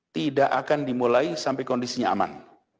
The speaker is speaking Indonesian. tidak akan dimulai sampai kondisinya aman